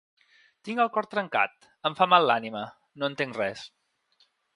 Tinc el cor trencat, em fa mal l’ànima, no entenc res.